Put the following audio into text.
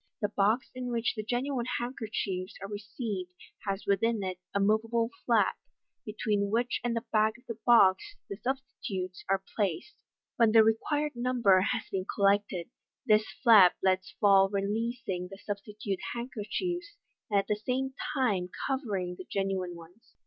The box in which the genuine handkerchiefs are received has within it a moveable flap, between which and the back of the box the substitutes are placed. When the required number has been collected, this flap is let fall releasing the substitute handkerchiefs, and at the same time cover ing the genuine ones.